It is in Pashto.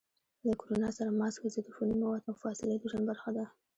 له کرونا سره ماسک، ضد عفوني مواد، او فاصلې د ژوند برخه شوه.